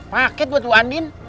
paket buat bu andin